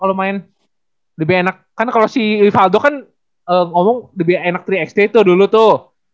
kalo main lebih enak kan kalo si rivaldo kan ngomong lebih enak tiga x tiga tuh dulu tuh